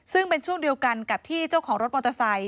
ซึ่งเป็นช่วงเดียวกันกับที่เจ้าของรถมอเตอร์ไซค